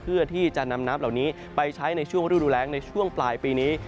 เพื่อที่จะนำน้ำเหล่านี้ไปใช้ในช่วงฤดูแรงในช่วงปลายปีนี้